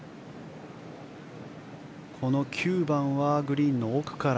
この９番はグリーンの奥から。